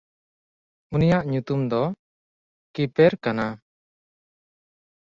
ᱩᱱᱤᱭᱟᱜ ᱧᱩᱛᱩᱢ ᱫᱚ ᱠᱤᱯᱮᱨ ᱠᱟᱱᱟ᱾